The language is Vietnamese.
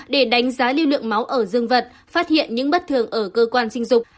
để đánh giá lưu lượng máu ở dương vật phát hiện những bất thường ở cơ quan sinh dục